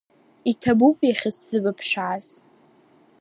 Иҭабуп иахьысзыбыԥшааз!